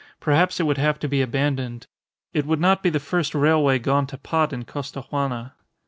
Perhaps it would have to be abandoned. It would not be the first railway gone to pot in Costaguana.